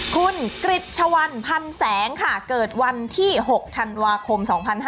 คุณกริจชวันพันแสงค่ะเกิดวันที่๖ธันวาคม๒๕๕๙